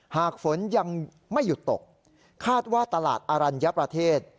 หากฝนยังไม่หยุดตกคาดว่าตลาดอรัญญประเทศ